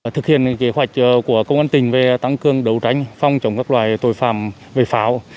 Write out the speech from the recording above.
thực hiện kế hoạch của công an tình về tăng cương đấu tranh phòng chống các loại tội phạm về pháo